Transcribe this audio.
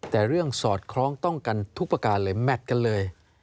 แต่เรื่องสอดคล้องต้องกันทุกประการเลยแมทกันเลย